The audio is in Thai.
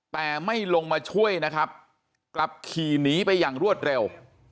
แต่ไม่ลงมาช่วยนะครับกลับขี่หนีไปอย่างรวดเร็ว